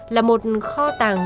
là một kho tàng